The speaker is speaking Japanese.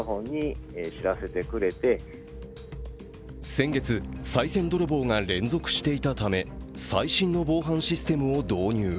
先月、さい銭泥棒が連続していたため最新の防犯システムを導入。